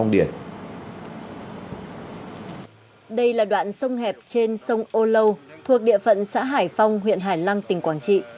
đây là đoạn sông hẹp trên sông âu lâu thuộc địa phận xã hải phong huyện hải lăng tỉnh quảng trị